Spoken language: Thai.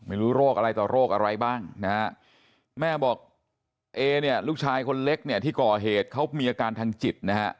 ไม่รู้โรคอะไรต่อโรคอะไรบ้างแม่บอกลูกชายคนเล็กที่ก่อเหตุเขามีอาการทางจิต